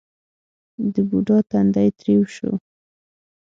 د بوډا تندی ترېو شو: